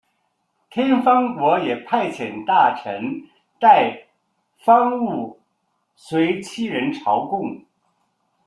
天方国也派遣大臣带方物随七人朝贡。